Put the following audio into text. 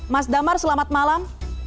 mas damar selamat malam